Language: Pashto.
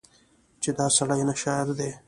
چې دا سړی نه شاعر دی